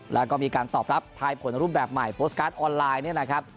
แล้วก็มีการตอบรับทายผลรูปแบบใหม่โพสต์การ์ดออนไลน์เนี่ยนะครับ